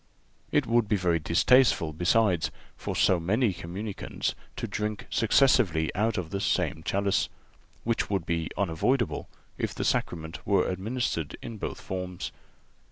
(387) It would be very distasteful, besides, for so many communicants to drink successively out of the same chalice, which would be unavoidable if the Sacrament were administered in both forms.